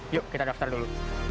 yuk kita daftar dulu